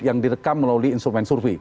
yang direkam melalui instrumen survei